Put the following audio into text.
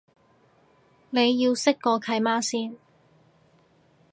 你要識個契媽先